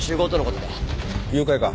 誘拐か？